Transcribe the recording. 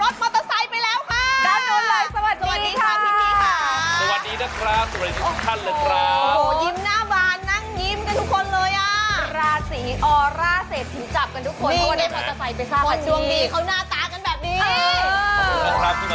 สุดท้ายเราจะยืนอยู่หลังมุ่งเขา